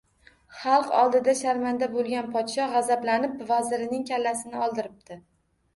Xalq oldida sharmanda bo‘lgan podsho g‘azablanib, vazirining kallasini oldiribdi